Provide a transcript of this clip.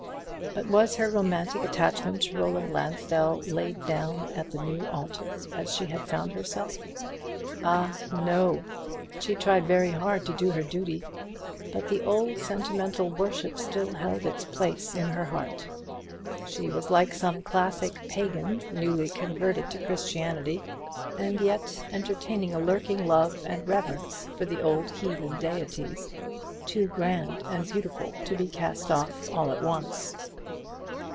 But was her romantic attachment to Roland Lansdell laid down at the new altar she had found for herself? Ah, no; she tried very hard to do her duty; but the old sentimental worship still held its place in her heart. She was like some classic pagan newly converted to Christianity, and yet entertaining a lurking love and reverence for the old heathen deities, too grand and beautiful to be cast off all at once.